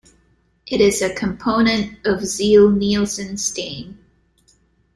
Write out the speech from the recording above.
It is a component of Ziehl-Neelsen stain.